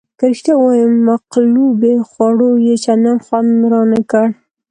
که رښتیا ووایم مقلوبې خوړو یې چندانې خوند رانه کړ.